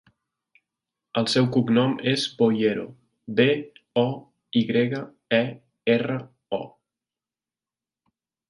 El seu cognom és Boyero: be, o, i grega, e, erra, o.